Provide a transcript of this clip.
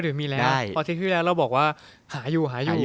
ในเทปที่แรกเราบอกว่าหาอยู่